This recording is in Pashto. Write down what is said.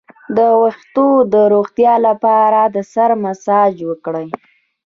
د ویښتو د روغتیا لپاره د سر مساج وکړئ